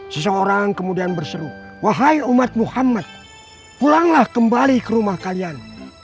seseorang kemudian berseru wahai umat muhammad pulanglah kembali ke rumah kalian